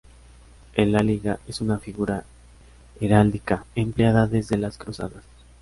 El águila es una figura heráldica empleada desde las Cruzadas.